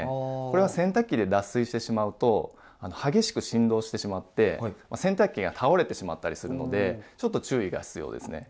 これは洗濯機で脱水してしまうと激しく振動してしまって洗濯機が倒れてしまったりするのでちょっと注意が必要ですね。